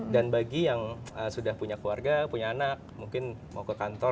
dan bagi yang sudah punya keluarga punya anak mungkin mau ke kantor